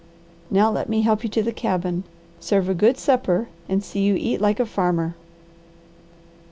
Now let me help you to the cabin, serve a good supper, and see you eat like a farmer."